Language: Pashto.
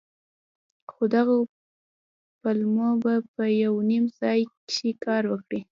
خو دغو پلمو به په يو نيم ځاى کښې کار وکړ.